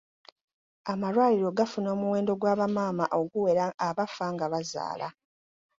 Amalwaliro gafuna omuwendo gwa bamaama oguwera abafa nga bazaala.